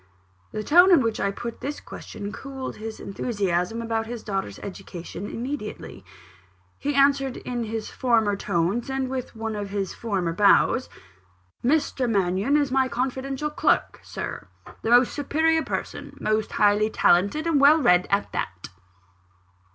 The tone in which I put this question, cooled his enthusiasm about his daughter's education immediately. He answered in his former tones, and with one of his former bows: "Mr. Mannion is my confidential clerk, Sir a most superior person, most highly talented, and well read, and all that."